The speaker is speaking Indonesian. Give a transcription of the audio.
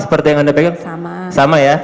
seperti yang anda pegang sama ya